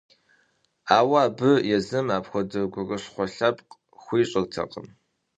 Ауэ абы езым апхуэдэ гурыщхъуэ лъэпкъ хуищӏыртэкъым.